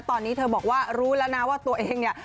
ตอนนี้เธอบอกว่ารู้แล้วนะว่าตัวเองเนี่ย